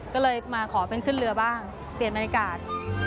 ก็เลยมาขอเป็นขึ้นเรือบ้างเปลี่ยนบรรยากาศ